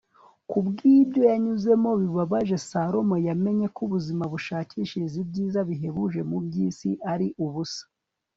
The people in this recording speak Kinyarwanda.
kubw'ibyo yanyuzamo bibabaje, salomo yamenye ko ubuzima bushakishiriza ibyiza bihebuje mu by'isi ari ubusa